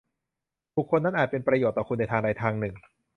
บุคคลนั้นอาจเป็นประโยชน์ต่อคุณในทางใดทางหนึ่ง